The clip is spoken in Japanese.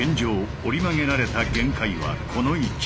折り曲げられた限界はこの位置。